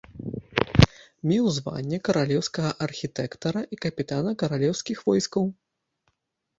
Меў званне каралеўскага архітэктара і капітана каралеўскіх войскаў.